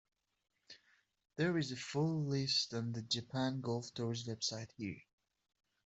There is a full list on the Japan Golf Tour's website here.